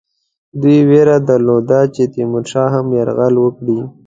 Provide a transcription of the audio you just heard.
دوی وېره درلوده چې تیمورشاه هم یرغل وکړي.